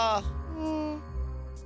うん。